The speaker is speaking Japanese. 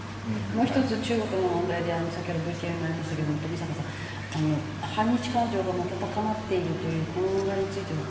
もう１つ中国の問題で先ほどＶＴＲにもありましたけれども富坂さん反日感情がまた高まっているというこの問題については。